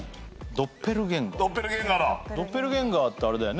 ドッペルゲンガーってあれだよね？